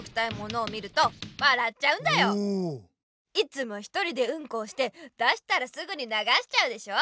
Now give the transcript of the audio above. いつも１人でウンコをして出したらすぐにながしちゃうでしょ。